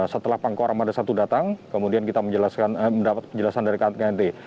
setelah pangkoram ada satu datang kemudian kita mendapatkan penjelasan dari knkt